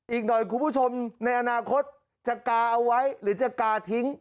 อีกหน่อยคุณผู้ชมในอนาคตจะกาเอาไว้หรือจะกาทิ้ง